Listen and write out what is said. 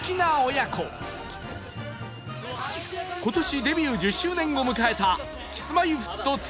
今年デビュー１０周年を迎えた Ｋｉｓ−Ｍｙ−Ｆｔ２